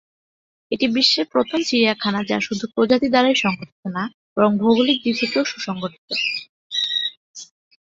এটি বিশ্বের প্রথম চিড়িয়াখানার যা শুধু প্রজাতি দ্বারাই সংগঠিত না বরং ভৌগোলিক দিক থেকেও সুসংগঠিত।